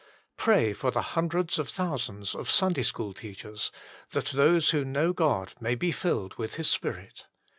Pray for the hundreds of thousands of Sunday school teachers, that those who know God may be filled with His Spirit.